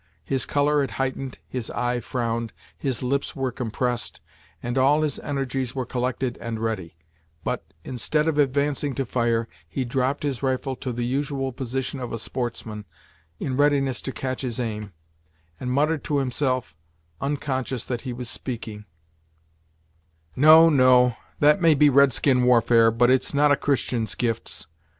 His color had heightened, his eye frowned, his lips were compressed, and all his energies were collected and ready; but, instead of advancing to fire, he dropped his rifle to the usual position of a sportsman in readiness to catch his aim, and muttered to himself, unconscious that he was speaking "No, no that may be red skin warfare, but it's not a Christian's gifts.